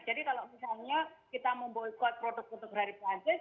jadi kalau misalnya kita memboykot produk produk dari perancis